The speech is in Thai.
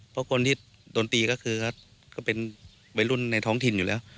เพราะคนที่โดนตีก็คือก็เป็นวัยรุ่นในท้องถิ่นอยู่แล้ว